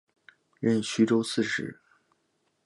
任徐州刺史。